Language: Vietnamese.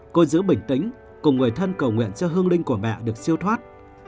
cô giữ bình tĩnh cùng người thân cầu nguyện cho hương linh của mẹ được siêu thoát